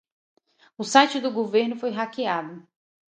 O site do governo foi hackeado